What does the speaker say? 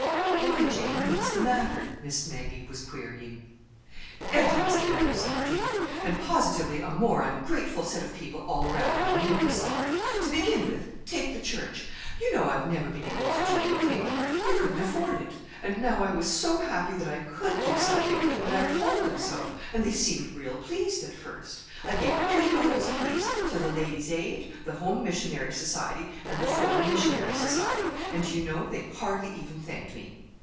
"Why, Jane, what's the matter?" Miss Maggie was querying. "Everything's the matter," snapped Jane. "And positively a more ungrateful set of people all around I never saw. To begin with, take the church. You know I've never been able to do anything. We couldn't afford it. And now I was so happy that I could do something, and I told them so; and they seemed real pleased at first. I gave two dollars apiece to the Ladies' Aid, the Home Missionary Society, and the Foreign Missionary Society—and, do you know? they hardly even thanked me!